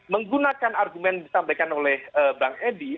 menggunakan argumen yang disampaikan oleh bang edi